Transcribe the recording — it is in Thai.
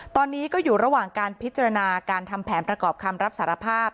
ตอนนี้ก็อยู่ระหว่างการพิจารณาการทำแผนประกอบคำรับสารภาพ